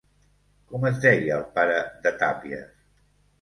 Com es deia el pare de Tàpies?